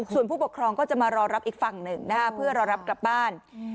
ส่วนผู้ปกครองก็จะมารอรับอีกฝั่งหนึ่งนะคะเพื่อรอรับกลับบ้าน